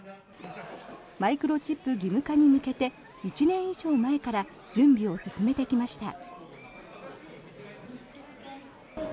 マイクロチップ義務化に向けて１年以上前から準備を進めてきました。